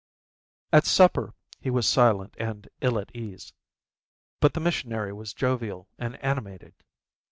At supper he was silent and ill at ease, but the missionary was jovial and animated.